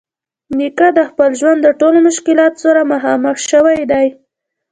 نیکه د خپل ژوند د ټولو مشکلاتو سره مخامخ شوی دی.